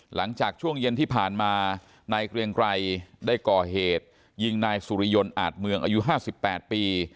หลังจากช่วงเย็นที่ผ่านมานายเกรียงไกรได้ก่อเหตุยิงนายสุริยนต์อาจเมืองอายุ๕๘ปี